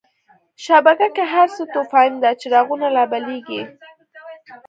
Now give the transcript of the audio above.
شپه که هر څه توفانی ده، چراغونه لا بلیږی